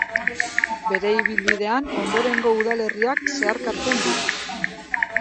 Bere ibilbidean ondorengo udalerriak zeharkatzen ditu.